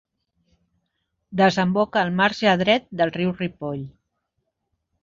Desemboca al marge dret del riu Ripoll.